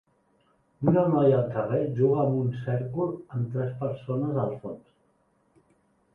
Una noia al carrer juga amb un cèrcol amb tres persones al fons.